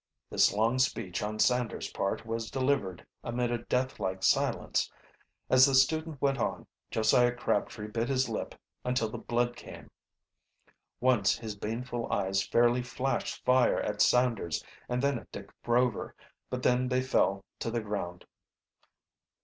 This long speech on Sanders' part was delivered amid a deathlike silence. As the student went on, Josiah Crabtree bit his lip until the blood came. Once his baneful eyes fairly flashed fire at Sanders and then at Dick Rover, but then they fell to the ground.